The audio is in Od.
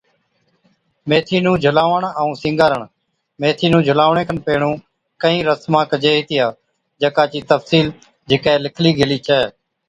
ميٿِي نُون جھُلاوَڻ ائُون سِِنگارڻ، ميٿي نُون جھُلاوَڻي کن پيھڻُون ڪھِين رسما ڪجي ھِتيا، جڪا چِي تفصِيل جھِڪي لِکلِي گيلِي ڇَي